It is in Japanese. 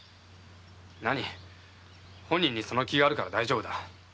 なに本人にその気があるから大丈夫。